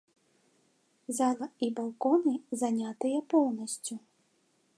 Зала і балконы занятыя поўнасцю.